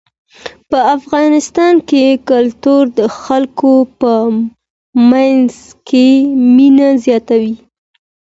په افغانستان کې کلتور د خلکو په منځ کې مینه زیاتوي.